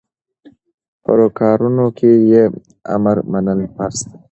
په رواکارونو کي يي امر منل فرض دي